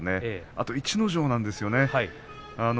あと逸ノ城なんですよね